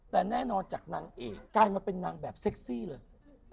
แต่แน่นอนจากนางเอกลายมาเป็นนางแบบเซ็กซี่เลย